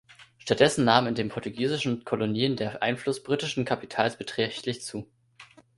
Stattdessen nahm in den portugiesischen Kolonien der Einfluss britischen Kapitals beträchtlich zu.